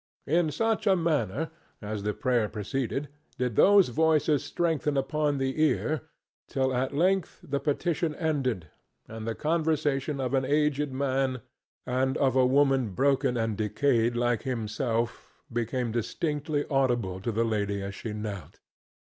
In such a manner, as the prayer proceeded, did those voices strengthen upon the ear, till at length the petition ended, and the conversation of an aged man and of a woman broken and decayed like himself became distinctly audible to the lady as she knelt.